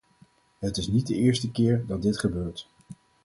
Het is niet de eerste keer dat dit gebeurt.